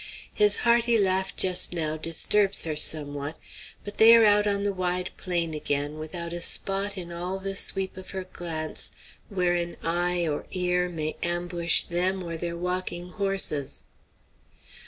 His hearty laugh just now disturbs her somewhat, but they are out on the wide plain again, without a spot in all the sweep of her glance where an eye or an ear may ambush them or their walking horses.